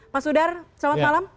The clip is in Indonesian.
pak sudar selamat malam